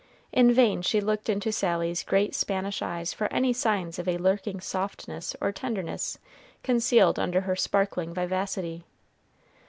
In vain she looked into Sally's great Spanish eyes for any signs of a lurking softness or tenderness concealed under her sparkling vivacity.